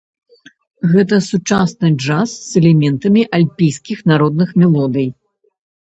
Гэта сучасны джаз з элементамі альпійскіх народных мелодый.